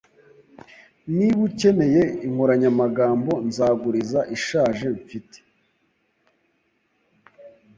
Niba ukeneye inkoranyamagambo, nzaguriza ishaje mfite